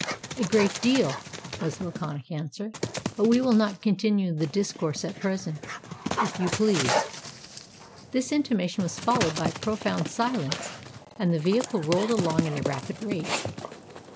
"A great deal," was the laconic answer. "But we will not continue the discourse at present, if you please." This intimation was followed by profound silence; and the vehicle rolled along at a rapid rate.